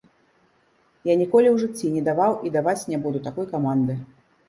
Я ніколі ў жыцці не даваў і даваць не буду такой каманды.